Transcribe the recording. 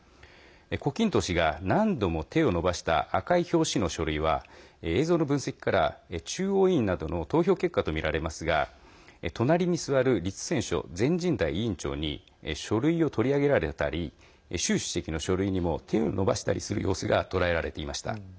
胡錦涛氏が何度も手を伸ばした赤い表紙の書類は映像の分析から中央委員などの投票結果と見られますが隣に座る栗戦書全人代委員長に書類を取り上げられたり習主席の書類にも手を伸ばしたりする様子がとらえられていました。